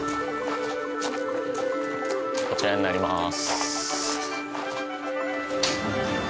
こちらになります。